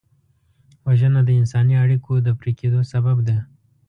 وژنه د انساني اړیکو د پرې کېدو سبب ده